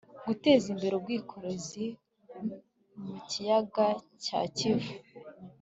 guteza imbere ubwikorezi mu kiyaga cya kivu